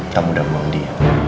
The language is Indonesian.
kamu udah mau undi